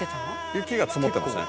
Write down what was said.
「雪が積もってましたね」